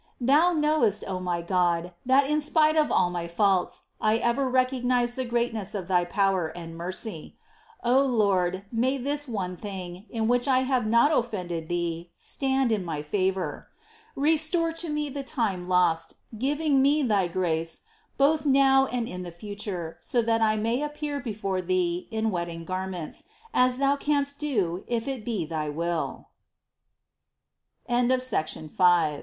Thou knowest, O my God, that, in spite of all my faults, I ever recognised the greatness of Thy power and mercy ; O Lord, may this one thing, in which I have not offended Thee, stand in my favour ! Restore to me the time lost, giving me Thy grace, both now and in the future, so that I may appear before Thee in " wedding garments," * as Thou canst do if it be Thy